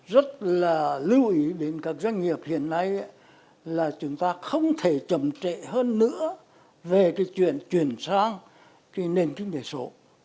rất là lưu ý đến các doanh nghiệp hiện nay là chúng ta không thể chậm trệ hơn nữa về cái chuyện chuyển sang cái nền kinh tế số